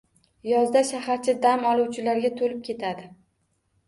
Yozda shaharcha dam oluvchilarga to`lib ketadi